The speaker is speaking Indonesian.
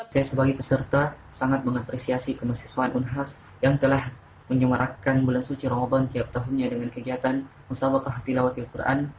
saya sebagai peserta sangat mengapresiasi kemahasiswaan unhas yang telah menyuarakan bulan suci ramadan tiap tahunnya dengan kegiatan musawakah tilawatil quran